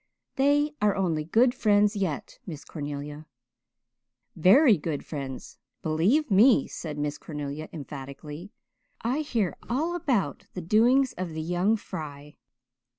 "They are only good friends yet, Miss Cornelia." "Very good friends, believe me," said Miss Cornelia emphatically. "I hear all about the doings of the young fry."